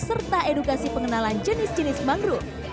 serta edukasi pengenalan jenis jenis mangrove